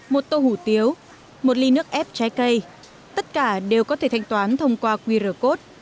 một tô hủ tiếu một ly nước ép trái cây tất cả đều có thể thanh toán thông qua qr code